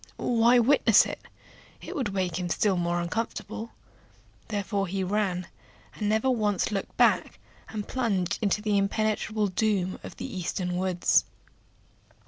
Why witness it? it would make him still more uncomfortable. Therefore he ran, and never once looked back, and plunged into the impenetrable gloom of the eastern forests.